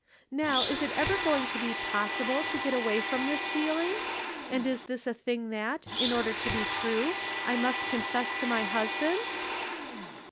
Now, is it ever going to be possible to get away from this feeling? And is this a thing that, in order to be true, I must confess to my husband